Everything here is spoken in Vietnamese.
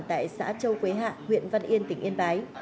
tại xã châu quế hạ huyện văn yên tỉnh yên bái